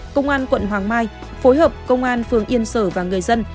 công an quận hoàng mai phối hợp công an phường yên sở và người dân